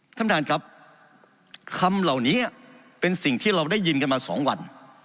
ท่านประธานครับคำเหล่านี้เป็นสิ่งที่เราได้ยินกันมาสองวัน